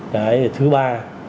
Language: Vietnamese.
cái thứ ba